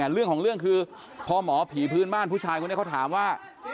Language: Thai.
เรื่องของเรื่องคือพอหมอผีพื้นบ้านผู้ชายคนนี้เขาถามว่า